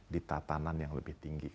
di tatanan yang lebih tinggi